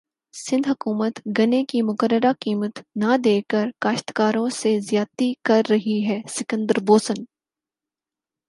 سندھ حکومت گنے کی مقررہ قیمت نہ دیکر کاشتکاروں سے زیادتی کر رہی ہے سکندر بوسن